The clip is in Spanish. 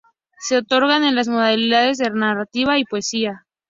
Se otorgan en las modalidades de narrativa y poesía.